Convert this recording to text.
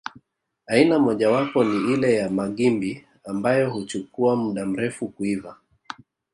Aina mojawapo ni ile ya magimbi ambayo huchukua muda mrefu kuiva